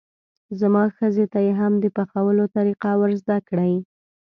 زما ښځې ته یې هم د پخولو طریقه ور زده کړئ.